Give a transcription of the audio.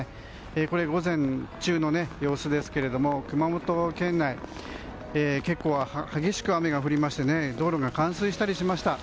午前中の様子ですけれど熊本県内結構激しく雨が降りまして道路が冠水したりしました。